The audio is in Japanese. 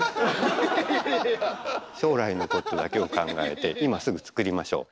将来のことだけを考えて今すぐ作りましょう。